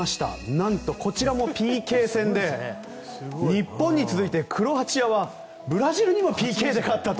なんと、こちらもＰＫ戦で日本に続いてクロアチアはブラジルにもＰＫで勝ったと。